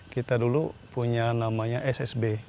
kita dulu punya namanya ssb